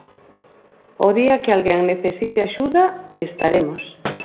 O día que alguén necesite axuda, estaremos.